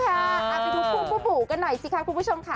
กลับไปดูบุ๋บุ๋กันหน่อยสิค่ะคุณผู้ชมค่ะ